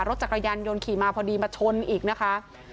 รถจักรยานยนต์ขี่มาพอดีมาชนอีกนะคะ